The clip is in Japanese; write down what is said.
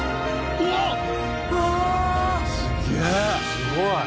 すごい。